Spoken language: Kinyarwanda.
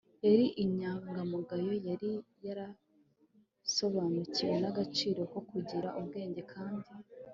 yari inyangamugayo, yari yarasobanukiwe n'agaciro ko kugira ubwenge kandi